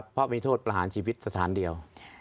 เพราะมีโทษประหารชีวิตสถานเดียว